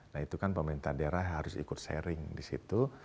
nah itu kan pemerintah daerah harus ikut sharing di situ